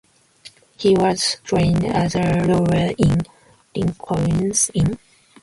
He was trained as a lawyer in Lincoln's Inn.